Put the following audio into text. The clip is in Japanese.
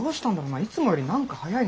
いつもより何か早いな。